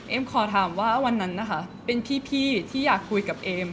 ขอถามว่าวันนั้นนะคะเป็นพี่ที่อยากคุยกับเอม